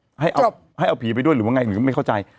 ให้เอาให้เอาผีไปด้วยหรือว่าไงหรือไม่เข้าใจ